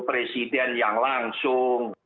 presiden yang langsung